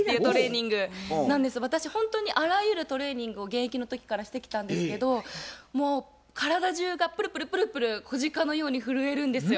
私ほんとにあらゆるトレーニングを現役の時からしてきたんですけどもう体中がプルプルプルプル子鹿のように震えるんですよ。